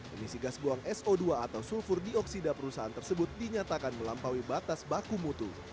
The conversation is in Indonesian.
emisi gas buang so dua atau sulfur dioksida perusahaan tersebut dinyatakan melampaui batas baku mutu